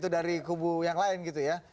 dari kubu yang lain gitu ya